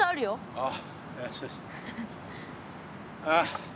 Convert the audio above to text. ああ。